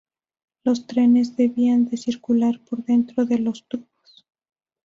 Los trenes debían de circular por dentro de los tubos.